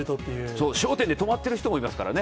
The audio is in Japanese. そう、笑点で止まってる人もいますからね。